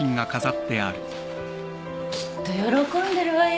きっと喜んでるわよ